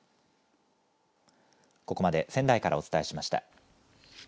ここまで仙台からお伝えしました。